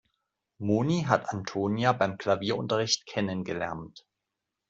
Moni hat Antonia beim Klavierunterricht kennengelernt.